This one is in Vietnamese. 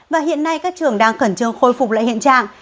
và hiện nay các trường đang khẩn trương khôi phục lại hiện trạng